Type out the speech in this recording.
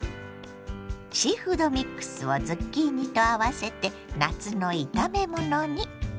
シーフードミックスをズッキーニと合わせて夏の炒めものに。